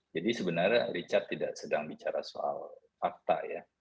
jadi sebenarnya richard tidak sedang bicara soal fakta ya